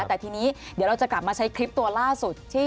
แต่ทีนี้เดี๋ยวเราจะกลับมาใช้คลิปตัวล่าสุด